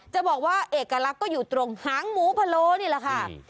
จะบอกว่าเอกลักษณ์ก็อยู่ตรงหางหมูพะโลนี่แหละค่ะ